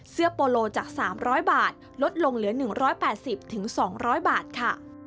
โปโลจาก๓๐๐บาทลดลงเหลือ๑๘๐๒๐๐บาทค่ะ